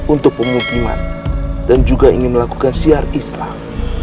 untuk pengukiman dan juga ingin melakukan siar islam